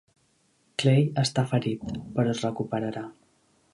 Clay està ferit, però es recuperarà.